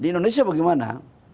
di indonesia bagaimana